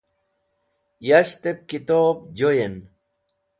Yashtep Kitob Joyen